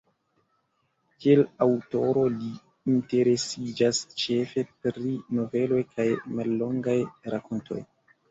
Kiel aŭtoro li interesiĝas ĉefe pri noveloj kaj mallongaj rakontoj.